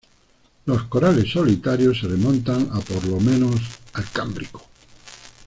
Los corales solitarios se remontan a por lo menos al Cámbrico.